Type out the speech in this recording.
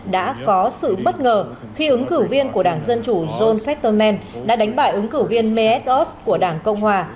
đã có sự bất ngờ khi ứng cử viên của đảng dân chủ john fetterman đã đánh bại ứng cử viên mead os của đảng cộng hòa